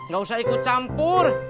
gak usah ikut campur